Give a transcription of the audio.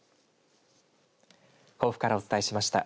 甲府からお伝えしました。